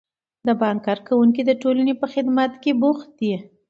د بانک کارکوونکي د ټولنې په خدمت کې بوخت دي.